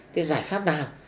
thế giải pháp nào